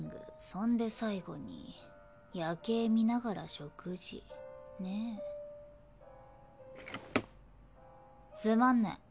そんで最後に夜景見ながら食事ねぇ。つまんねえ。